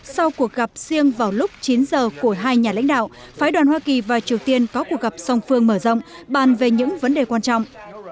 sau cuộc gặp riêng vào lúc chín giờ của hai nhà lãnh đạo phái đoàn hoa kỳ và triều tiên có cuộc gặp song phương mở rộng bàn về những vấn đề quan trọng